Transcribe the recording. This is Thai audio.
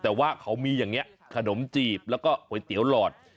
แต่ว่าเขามีอย่างนี้ขนมจีบแล้วก็ก๋วยเตี๋ยวหลอด